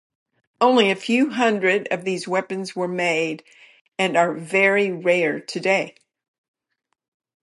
Only a few hundred of these weapons were made and are very rare today.